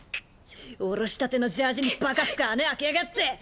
下ろしたてのジャージにばかすか穴開けやがって！